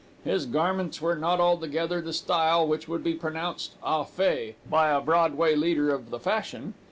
His garments were not altogether the style which would be pronounced au fait, by a Broadway leader of the fashion.